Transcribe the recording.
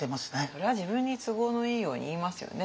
それは自分に都合のいいように言いますよね。